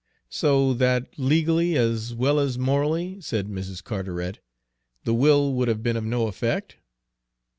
"So that legally, as well as morally," said Mrs. Carteret, "the will would have been of no effect?"